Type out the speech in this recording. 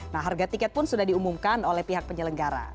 nah harga tiket pun sudah diumumkan oleh pihak penyelenggara